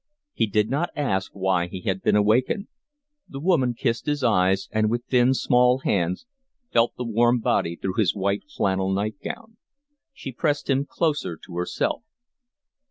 He did not ask why he had been awakened. The woman kissed his eyes, and with thin, small hands felt the warm body through his white flannel nightgown. She pressed him closer to herself.